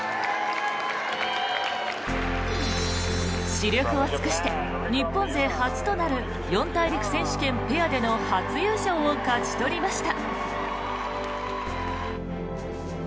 死力を尽くして、日本勢初となる四大陸選手権ペアでの初優勝を勝ち取りました。